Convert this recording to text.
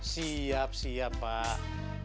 siap siap pak